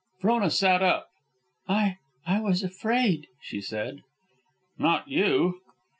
Frona sat up. "I I was afraid," she said. "Not you."